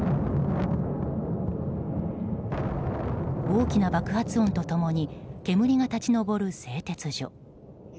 大きな爆発音と共に煙が立ち上る製鉄所。